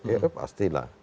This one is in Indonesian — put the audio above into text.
ya pasti lah